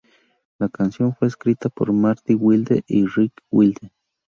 La canción fue escrita por Marty Wilde y Ricki Wilde.